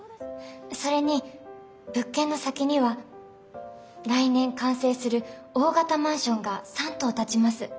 それに物件の先には来年完成する大型マンションが３棟建ちます。